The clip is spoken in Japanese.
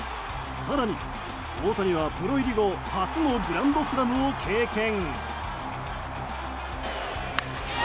更に大谷はプロ入り後初のグランドスラムを経験。